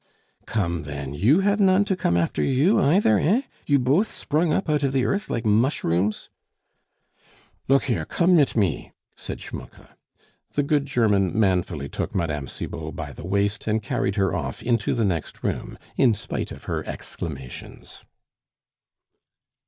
"Come, then, you have none to come after you either, eh? You both sprung up out of the earth like mushrooms " "Look here, komm mit me," said Schmucke. The good German manfully took Mme. Cibot by the waist and carried her off into the next room, in spite of her exclamations.